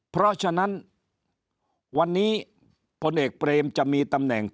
เพราะฉะนั้นวันนี้พลเอกเปรมจะมีตำแหน่ง